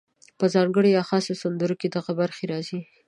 په ځانګړو یا خاصو سندرو کې دغه برخې راځي: